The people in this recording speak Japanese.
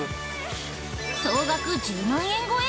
◆総額１０万円超え。